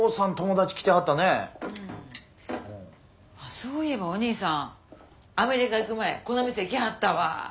そういえばお兄さんアメリカ行く前この店来はったわ。